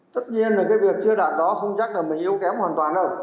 tất nhiên là cái việc chưa đạt đó không chắc là mình yếu kém hoàn toàn đâu